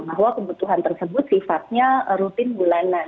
bahwa kebutuhan tersebut sifatnya rutin bulanan